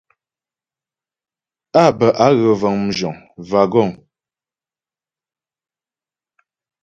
Á bə á gə vəŋ mzhəŋ (wagons).